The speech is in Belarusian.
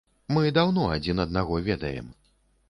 Мы даўно адзін аднаго ведаем.